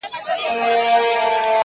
• ما لس كاله سلطنت په تا ليدلى,